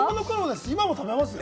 今も食べますよ。